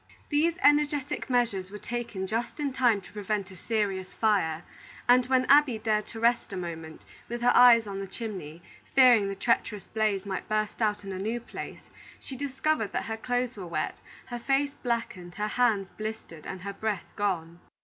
These energetic measures were taken just in time to prevent a serious fire, and when Abby dared to rest a moment, with her eyes on the chimney, fearing the treacherous blaze might burst out in a new place, she discovered that her clothes were wet, her face blackened, her hands blistered, and her breath gone.